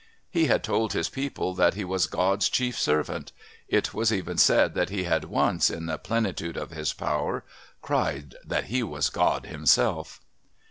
He had told his people that he was God's chief servant; it was even said that he had once, in the plenitude of his power, cried that he was God Himself....